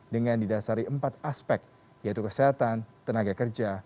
dengan didasari empat aspek yaitu kesehatan tenaga kerja